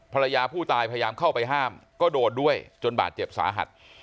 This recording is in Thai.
ภรรยาผู้ตายพยายามเข้าไปห้ามก็โดนด้วยจนบาดเจ็บสาหัส